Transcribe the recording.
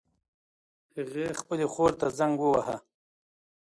هغې خپلې خور ته زنګ وواهه